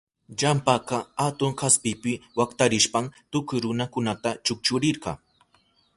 Ilampaka atun kaspipi waktarishpan tukuy runakunata chukchuchirka.